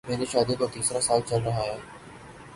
میری شادی کو تیسرا سال چل رہا ہے